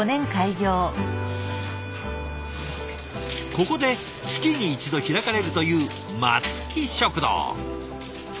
ここで月に１度開かれるという松木食堂。